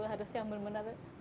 harus yang benar benar